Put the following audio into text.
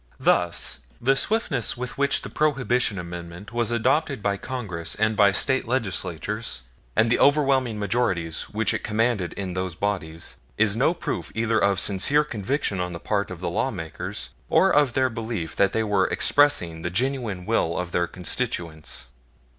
Thus the swiftness with which the Prohibition Amendment was adopted by Congress and by State Legislatures, and the overwhelming majorities which it commanded in those bodies, is no proof either of sincere conviction on the part of the lawmakers or of their belief that they were expressing the genuine will of their constituents.